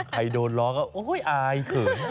ใครโดดล้อก็โอ้ยอายเขิน